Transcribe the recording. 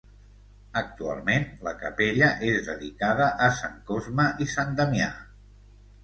Actualment, la capella és dedicada a Sant Cosme i Sant Damià.